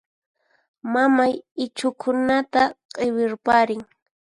Mamay ichhukunata q'iwirparin.